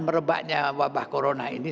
merebaknya wabah corona ini